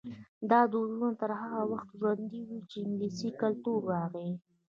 دا دودونه تر هغه وخته ژوندي وو چې انګلیسي کلتور راغی.